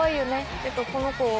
この子。